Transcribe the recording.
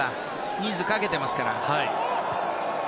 人数かけてますから。